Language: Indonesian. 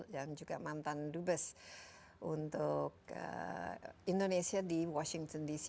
dan juga mantan dubas untuk indonesia di washington d c